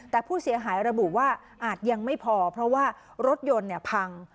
แต่ผู้เสียหายระบุว่าอาจยังไม่พอเพราะว่ารถยนต์พัง